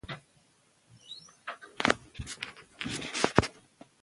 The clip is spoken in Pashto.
زه د ورځې په اوږدو کې د سالم سنکس اندازه کنټرول کوم.